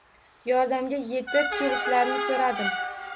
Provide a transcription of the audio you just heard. Yordamga yetib kelishlarini soʻradim.